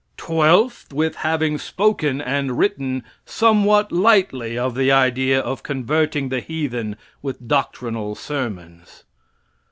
Twelfth. With having spoken and written somewhat lightly of the idea of converting the heathen with doctrinal sermons.